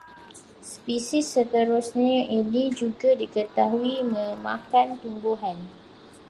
Spesies seterusnya ini juga diketahui memakan tumbuhan